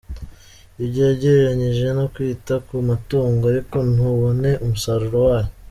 Ibyo yagereranyije no kwita ku matungo ariko ntubone umusaruro wayo.